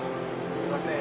すいません